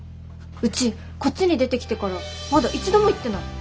うちこっちに出てきてからまだ一度も行ってない。